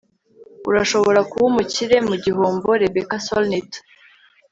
urashobora kuba umukire mu gihombo - rebecca solnit